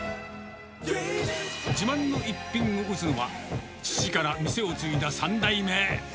自慢の一品を打つのは、父から店を継いだ３代目。